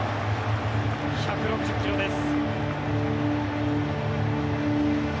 １６０キロです。